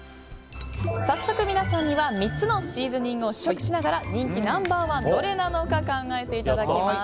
早速皆さんには３つのシーズニングを試食しながら人気ナンバー１がどれなのか考えていただきます。